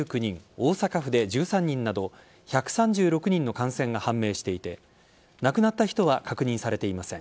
大阪府で１３人など１３６人の感染が判明していて亡くなった人は確認されていません。